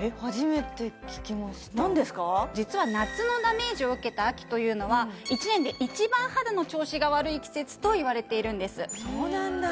えっ初めて聞きました実は夏のダメージを受けた秋というのは１年で一番肌の調子が悪い季節といわれているんですそうなんだ